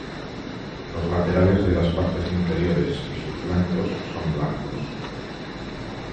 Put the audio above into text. Los laterales de las partes inferiores y sus flancos son blancos.